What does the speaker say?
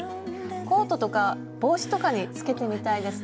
コートとか帽子とかにつけてみたいですね。